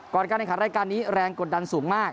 ก่อนการในขณะรายการนี้แรงกดดันสูงมาก